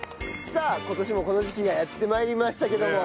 さあ今年もこの時期がやって参りましたけども。